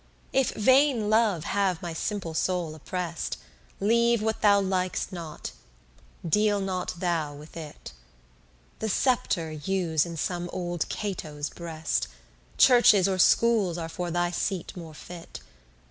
If vain love have my simple soul oppress'd, Leave what thou likest not, deal not thou with it. The scepter use in some old Cato's breast; Churches or schools are for thy seat more fit.